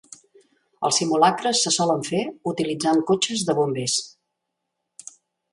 Els simulacres se solen fer utilitzant cotxes de bombers.